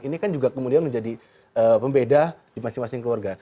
ini kan juga kemudian menjadi pembeda di masing masing keluarga